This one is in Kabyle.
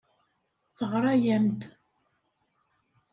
Teɣra-am-d.